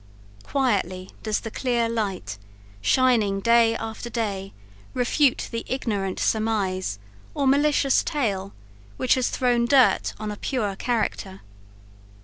Quietly does the clear light, shining day after day, refute the ignorant surmise, or malicious tale, which has thrown dirt on a pure character.